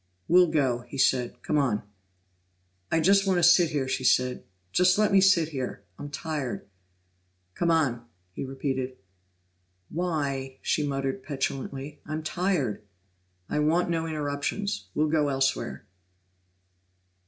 "We'll go," he said. "Come on." "I just want to sit here," she said. "Just let me sit here. I'm tired." "Come on," he repeated. "Why?" she muttered petulantly. "I'm tired." "I want no interruptions. We'll go elsewhere."